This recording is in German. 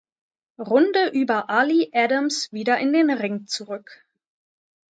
Runde über Ali Adams wieder in den Ring zurück.